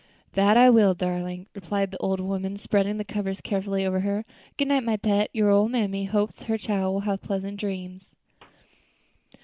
"That I will, darlin'," replied the old woman, spreading the cover carefully over her. "Good night, my pet, your ole mammy hopes her chile will have pleasant dreams."